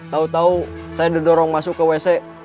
tau tau saya didorong masuk ke ws